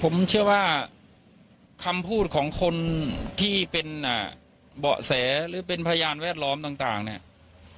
ผมเชื่อว่าคำพูดของคนที่เป็นเบาะแสหรือเป็นพยานแวดล้อมต่างเนี่ย